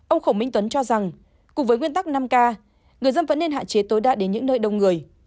ông khổng minh tuấn cho rằng cùng với nguyên tắc năm k người dân vẫn nên hạn chế tối đa đến những nơi đông người